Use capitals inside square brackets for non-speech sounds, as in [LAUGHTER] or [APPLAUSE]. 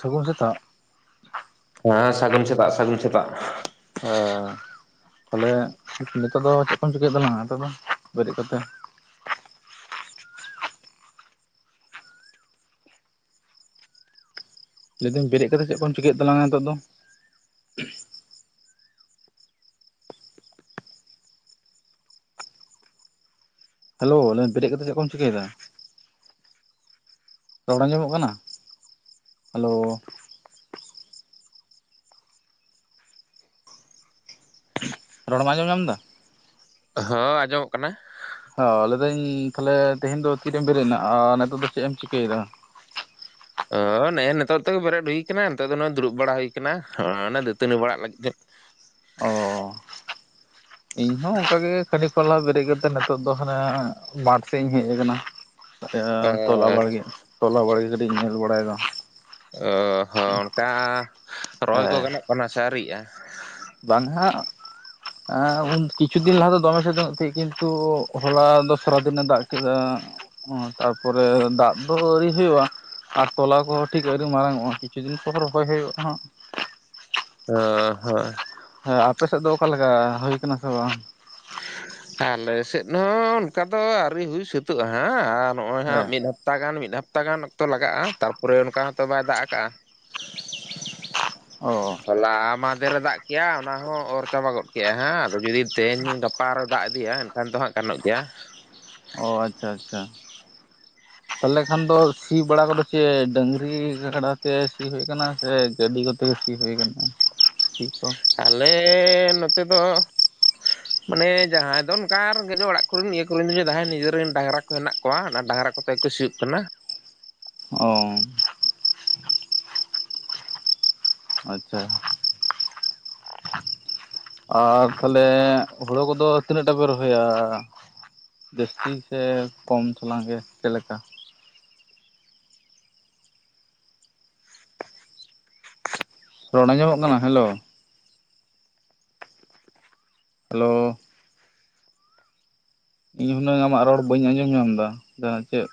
ᱥᱟᱹᱜᱩᱱ ᱥᱮᱛᱟᱜ ᱦᱮᱸ ᱥᱟᱹᱜᱩᱱ ᱥᱮᱛᱟᱜ ᱥᱟᱹᱜᱩᱱ ᱥᱮᱛᱟᱜ᱾ ᱦᱮᱸ ᱛᱟᱦᱞᱮ ᱱᱮᱛᱟᱨ ᱫᱚ ᱪᱮᱫ ᱠᱚᱢ ᱪᱤᱠᱟᱹᱭᱮᱫ ᱛᱟᱞᱟᱝ ᱼᱟ ᱱᱤᱛᱚᱜ ᱫᱚ ᱵᱮᱨᱮᱫ ᱠᱟᱛᱮ? ᱞᱟᱹᱭᱮ ᱫᱟᱹᱧ ᱵᱮᱨᱮᱫ ᱠᱟᱛᱮᱫ ᱪᱮᱫ ᱠᱚᱢ ᱪᱤᱠᱟᱹᱭᱮᱫ ᱛᱟᱞᱟᱝᱟ ᱱᱤᱛᱚᱜ ᱫᱚ? ᱦᱮᱞᱳ ᱞᱟᱹᱭ ᱫᱟᱹᱧ ᱵᱮᱨᱮᱫ ᱠᱟᱛᱮ ᱪᱮᱫ ᱠᱚᱢ ᱪᱤᱠᱟᱹᱭᱮᱫᱟ? ᱨᱚᱲ ᱟᱸᱡᱚᱢᱚᱜ ᱠᱟᱱᱟ ᱦᱮᱞᱳ᱾ ᱨᱚᱲᱮᱢ ᱟᱸᱡᱚᱢ ᱧᱟᱢ ᱟᱫᱟ᱾ ᱦᱚ ᱟᱸᱡᱚᱢᱚᱜ ᱠᱟᱱᱟ᱾ ᱦᱚ ᱞᱟᱹᱭᱮ ᱫᱟᱹᱧ ᱛᱟᱦᱞᱮ ᱛᱮᱦᱮᱧ ᱫᱚ ᱛᱤᱨᱮᱢ ᱵᱮᱨᱮᱫ ᱱᱟ ᱟᱨ ᱱᱤᱛᱚᱜ ᱫᱚ ᱪᱮᱫᱮᱢ ᱪᱤᱠᱟᱹᱭᱮᱫᱟ? ᱚᱻ ᱱᱮᱜᱼᱮ ᱱᱤᱛᱳᱜ ᱛᱮᱜᱮ ᱵᱮᱨᱮᱫ ᱦᱩᱭ ᱠᱟᱱᱟ ᱱᱤᱛᱚᱜ ᱫᱚ ᱱᱚᱼᱚᱭ ᱫᱩᱲᱩᱵ ᱵᱟᱲᱟ ᱦᱩᱭ ᱠᱟᱱᱟ ᱚᱸ ᱫᱟᱹᱛᱟᱹᱱᱤ ᱵᱟᱲᱟᱜ ᱞᱟᱹᱜᱤᱫ ᱛᱮ ᱚ ᱤᱧᱦᱚᱸ ᱚᱝᱠᱟ ᱜᱮ ᱠᱷᱟᱱᱮᱜ ᱠᱷᱚᱱ ᱞᱦᱟ ᱵᱮᱨᱮᱫ ᱠᱟᱛᱮᱜ ᱱᱤᱛᱚᱜ ᱫᱚ ᱦᱟᱱᱮ ᱵᱟᱸᱫᱷᱽ ᱥᱮᱫ ᱤᱧ ᱦᱮᱡᱟ ᱠᱟᱱᱟ᱾ ᱛᱟᱞᱮ ᱛᱚᱞᱟ ᱦᱚᱸ ᱵᱟᱲᱜᱮ ᱛᱚᱞᱟ ᱵᱟᱲᱜᱮ ᱠᱟᱹᱴᱤᱡ ᱤᱧ ᱧᱮᱞ ᱵᱟᱲᱟᱭᱫᱟ᱾ ᱚ ᱦᱚᱸ ᱚᱱᱠᱟ ᱨᱚᱦᱚᱭ ᱠᱚ ᱦᱮᱸ ᱜᱟᱱᱚᱜ ᱠᱟᱱᱟ ᱥᱮ ᱟᱹᱣᱨᱤᱜᱼᱟ᱾ ᱵᱟᱝ ᱦᱟᱜ ᱮᱸ ᱩᱱ ᱠᱤᱪᱷᱩ ᱫᱤᱱ ᱞᱟᱦᱟ ᱫᱚ ᱫᱚᱢᱮ ᱥᱤᱛᱩᱝ ᱮᱫ ᱛᱟᱸᱦᱮᱱᱮ ᱠᱤᱱᱛᱩ ᱦᱚᱞᱟ ᱫᱚ ᱥᱚᱨᱟᱫᱤᱱᱮ ᱫᱟᱜ ᱠᱮᱫᱟ᱾ ᱚᱸ ᱛᱟᱨᱯᱚᱨᱮ ᱫᱟᱜ ᱫᱚ ᱟᱣᱨᱤ ᱦᱩᱭᱩᱜᱼᱟ᱾ ᱟᱨ ᱛᱚᱞᱟ ᱠᱚᱦᱚᱸ ᱴᱷᱤᱠ ᱟᱹᱣᱨᱤ ᱢᱟᱸᱨᱟᱝ ᱚᱼᱟ ᱠᱤᱪᱷᱩ ᱫᱤᱱ ᱯᱚᱨ ᱨᱚᱚᱭ ᱦᱩᱭᱩᱜᱼᱟ ᱦᱟᱸ᱾ ᱚ ᱦᱸ ᱦᱚᱭ ᱦᱮᱸ ᱟᱯᱮ ᱥᱮᱫ ᱫᱚ ᱚᱠᱟᱮᱠᱟ ᱦᱩᱭ ᱟ ᱠᱟᱱᱟ ᱥᱮ ᱵᱟᱝ? ᱟᱞᱮ ᱥᱮᱫ ᱦᱚᱸ ᱚᱱᱠᱟ ᱫᱚ ᱟᱹᱣᱨᱤ ᱦᱩᱭ ᱥᱟᱹᱛᱟᱹᱜᱼᱟ ᱦᱟᱸ ᱟᱨ ᱱᱚᱜᱼᱚᱭ ᱦᱟᱸᱜ ᱦᱮᱸ ᱢᱤᱫ ᱦᱟᱯᱼᱼ ᱦᱟᱯᱛᱟ ᱜᱟᱱ ᱢᱤᱫ ᱦᱟᱯᱛᱟ ᱜᱟᱱ ᱚᱠᱛᱚ ᱞᱟᱜᱟᱜᱼᱟ, ᱛᱟᱨᱯᱚᱨᱮ ᱚᱱᱠᱟ ᱦᱚᱸᱛᱚ ᱵᱟᱭ ᱫᱟᱜ ᱠᱟᱜᱼᱟ᱾ [UNINTELLIGIBLE] ᱦᱚᱞᱟ ᱢᱟᱦᱫᱷᱮ ᱨᱮ ᱫᱟᱜ ᱠᱮᱜᱼᱟ ᱚᱱᱟ ᱦᱚᱸ ᱚᱨ ᱪᱟᱵᱟ ᱜᱚᱫ ᱠᱮᱜᱼᱟ ᱦᱟᱸ ᱟᱫᱚ ᱡᱩᱫᱤ ᱛᱮᱦᱮᱧᱼᱼ ᱜᱟᱯᱟ ᱟᱨᱚ ᱫᱟᱜ ᱤᱫᱤᱭᱟᱭ ᱟᱭ ᱮᱱᱠᱷᱟᱱ ᱫᱚ ᱦᱟᱸᱜ ᱜᱟᱱᱚᱜ ᱜᱮᱭᱟ᱾ ᱚ ᱟᱪᱪᱷᱟ ᱟᱪᱪᱷᱟ᱾ ᱛᱟᱦᱞᱮ ᱠᱷᱟᱱ ᱫᱚ ᱥᱤ ᱵᱟᱲᱟ ᱠᱚᱫᱚ ᱪᱮᱫ ᱰᱟᱹᱝᱨᱤ ᱠᱟᱲᱟ ᱛᱮ ᱥᱤ ᱦᱩᱭᱩᱭ ᱠᱟᱱᱟ ᱥᱮ ᱜᱟᱹᱰᱤ ᱠᱚ? ᱥᱮ ᱥᱤᱭ ᱦᱩᱭ ᱠᱟᱱᱟ ᱥᱤ ᱠᱚ ᱟᱞᱮ ᱱᱚᱛᱮ ᱫᱚᱼᱼ [UNINTELLIGIBLE] ᱢᱟᱱᱮ ᱡᱟᱦᱟᱸᱭ ᱫᱚ ᱚᱱᱠᱟ ᱨᱮᱜᱮᱡ ᱚᱲᱟᱜ ᱠᱚᱨᱮ ᱤᱭᱟᱹ [UNINTELLIGIBLE] ᱡᱟᱦᱟᱸᱭ ᱱᱤᱡᱮᱨᱮᱱ ᱰᱟᱝᱨᱟ ᱠᱚ ᱦᱮᱱᱟᱜ ᱠᱚᱣᱟ ᱚᱱᱟ ᱰᱟᱝᱨᱟ ᱠᱚᱼᱼ ᱛᱮ ᱠᱚ ᱥᱤᱭᱩᱜ ᱠᱟᱱᱟ᱾ ᱚ᱾ ᱟᱪᱪᱷᱟ᱾ ᱟᱨ ᱛᱟᱦᱞᱮ ᱦᱳᱲᱳ ᱠᱚᱫᱚ ᱛᱤᱱᱟᱹᱜ ᱴᱟ ᱯᱮ ᱨᱚᱦᱚᱭᱟ? ᱡᱟᱹᱥᱛᱤ ᱥᱮ ᱠᱚᱢ ᱛᱷᱚᱞᱟᱝ ᱜᱮ ᱪᱮᱫ ᱞᱮᱠᱟ? ᱨᱚᱲ ᱟᱸᱡᱚᱢᱚᱜ ᱠᱟᱱᱟ? ᱦᱮᱞᱳ᱾ ᱦᱮᱞᱳ? ᱤᱧ ᱦᱩᱱᱟᱹᱝ ᱟᱢᱟᱜ ᱨᱚᱲ ᱵᱟᱹᱧ ᱟᱸᱡᱚᱢ ᱧᱟᱢ ᱫᱟ ᱡᱟᱦᱟᱸ ᱪᱮᱫ᱾